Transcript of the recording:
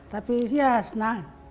tapi ya senang